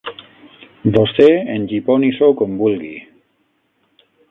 Vostè engiponi-s'ho com vulgui;